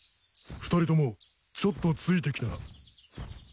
２人ともちょっとついてきな。